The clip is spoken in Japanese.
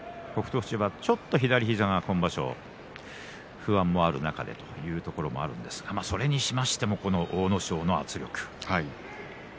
富士は左膝にちょっと不安もある中でというところもありますがそれにしましても阿武咲の圧力。